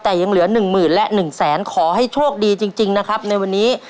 แต่ยังเหลือหนึ่งหมื่นและ๑แสนขอให้โชคดีจริงนะครับในวันนี้